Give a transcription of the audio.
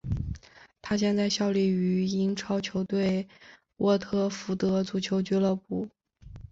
他现在效力于英超球队沃特福德足球俱乐部。